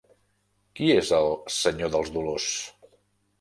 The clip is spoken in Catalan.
Qui és el Senyor dels Dolors?